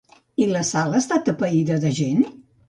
I la sala està atapeïda de gent?